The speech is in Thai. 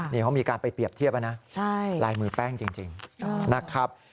นี่เขามีการไปเปรียบเทียบนะลายมือแป้งจริงนะครับ